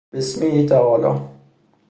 بسمه تعالی